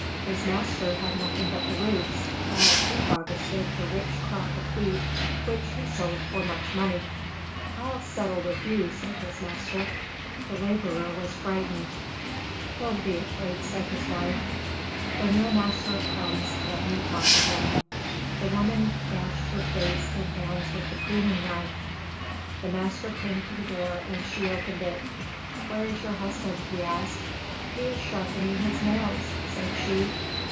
His master had nothing but the roots, while he harvested a rich crop of wheat which he sold for much money. "I'll settle with you," said his master. The laborer was frightened. "Don't be afraid," said his wife. "When your master comes let me talk to him." The woman gashed her face and hands with the pruning knife. The master came to the door and she opened it. "Where is your husband?" he asked. "He is sharpening his nails," said she.